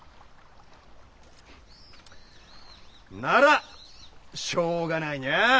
ならしょうがないにゃあ。